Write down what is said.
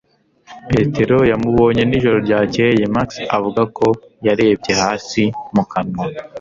Petero yamubonye mu ijoro ryakeye, Max, avuga ko yarebye hasi mu kanwa